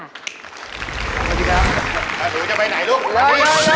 แอหนูจะไปไหนล่ะลูก